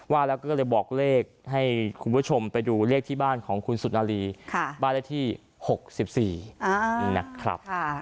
ว่าแล้วก็เลยบอกเลขให้คุณผู้ชมไปดูเลขที่บ้านของคุณสุนารีบ้านเลขที่๖๔นะครับ